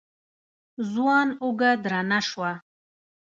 ځوان اوږه درنه شوه.